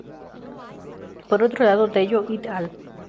Por otro lado, Tello "et al".